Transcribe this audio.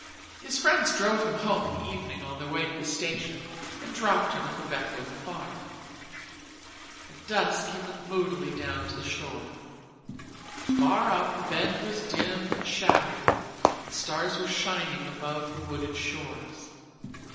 His friends drove him home in the evening on their way to the station and dropped him at the Beckwith farm. At dusk he went moodily down to the shore. Far up the Bend was dim and shadowy and stars were shining above the wooded shores.